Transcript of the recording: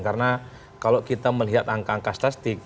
karena kalau kita melihat angka angka stastik